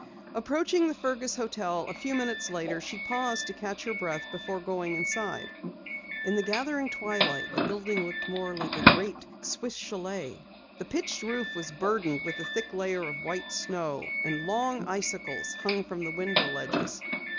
Approaching the Fergus hotel a few minutes later, she paused to catch her breath before going inside. In the gathering twilight the building looked more than ever like a great Swiss chalet. The pitched roof was burdened with a thick layer of white snow, and long icicles hung from the window ledges.